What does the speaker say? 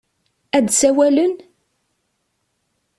Ad d-sawalen?